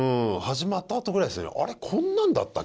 始まったあとぐらいですね。